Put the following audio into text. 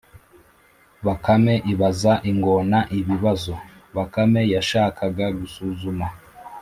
Bakame ibaza ingona ibibazo Bakame yashakaga gusuzuma